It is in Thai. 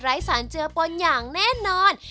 สารเจือปนอย่างแน่นอน